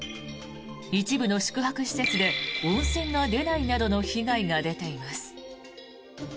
一部の宿泊施設で温泉が出ないなどの被害が出ています。